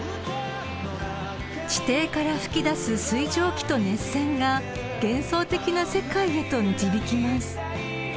［地底から噴き出す水蒸気と熱泉が幻想的な世界へと導きます］